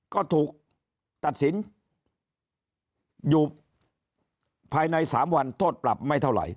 ก็ถูกตัดสินอยู่ภายใน๓วันโทษปรับไม่เท่าไหร่